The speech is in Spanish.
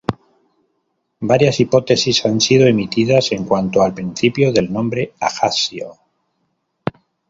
Varias hipótesis han sido emitidas en cuanto al principio del nombre Ajaccio.